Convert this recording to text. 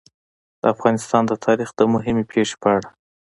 د افغانستان د تاریخ د مهمې پېښې په اړه.